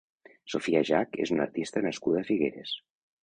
Sofia Jack és una artista nascuda a Figueres.